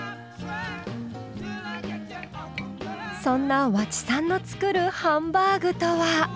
そんな和知さんの作るハンバーグとは？